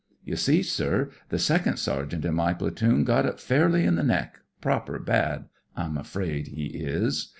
You see, sir, the second sergeant in my platoon got it fairly in the neck ^proper bad, I'm afraid he is.